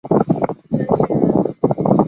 曾铣人。